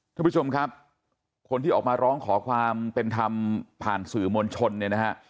ทุกผู้ชมครับคนที่ออกมาร้องขอความเป็นธรรมผ่านสื่อมวลชนเนี่ยนะฮะ